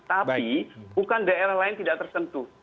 tapi bukan daerah lain tidak tersentuh